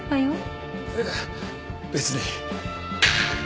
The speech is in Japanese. いや別に。